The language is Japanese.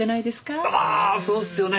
ああそうっすよね！